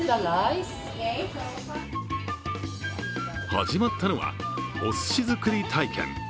始まったのは、おすし作り体験。